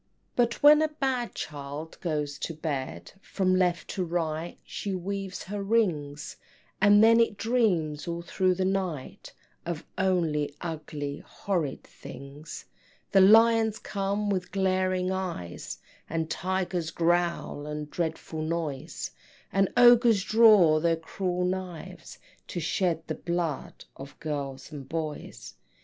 But when a bad child goes to bed, From left to right she weaves her rings, And then it dreams all through the night Of only ugly horrid things! Then lions come with glaring eyes, And tigers growl, a dreadful noise, And ogres draw their cruel knives, To shed the blood of girls and boys.